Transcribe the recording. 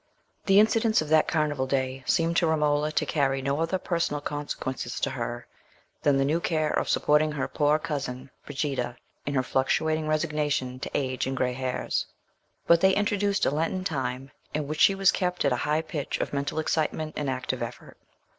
The incidents of that Carnival day seemed to Romola to carry no other personal consequences to her than the new care of supporting poor cousin Brigida in her fluctuating resignation to age and grey hairs; but they introduced a Lenten time in which she was kept at a high pitch of mental excitement and active effort.